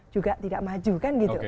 juga tidak maju kan